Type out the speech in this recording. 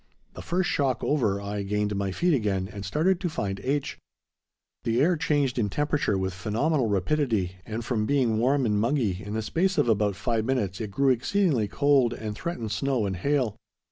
The first shock over, I gained my feet again and started to find H. The air changed in temperature with phenomenal rapidity, and from being warm and muggy, in the space of about five minutes it grew exceedingly cold, and threatened snow and hail.